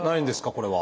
これは。